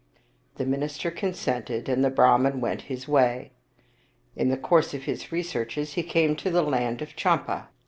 The minister consented, and the Brahman went his way. In the course of his researches he came to the land of Champa.